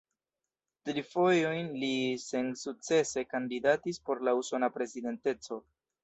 Tri fojojn li sensukcese kandidatis por la usona prezidenteco.